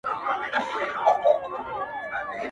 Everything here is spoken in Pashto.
o خېښي په خوښي، سودا په رضا٫